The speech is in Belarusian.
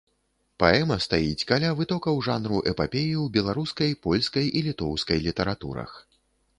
Паэма стаіць каля вытокаў жанру эпапеі ў беларускай, польскай і літоўскай літаратурах.